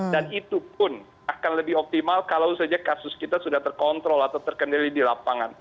dan itu pun akan lebih optimal kalau saja kasus kita sudah terkontrol atau terkendali di lapangan